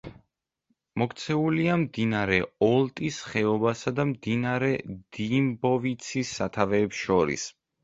მოქცეულია მდინარე ოლტის ხეობასა და მდინარე დიმბოვიცის სათავეებს შორის.